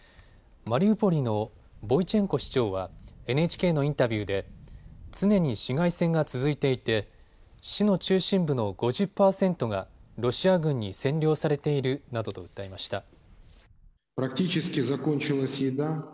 マリウポリのボイチェンコ市長はＮＨＫのインタビューで常に市街戦が続いていて市の中心部の５０％がロシア軍に占領されているなどと訴えました。